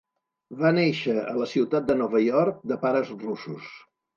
Va néixer a la ciutat de Nova York, de pares russos.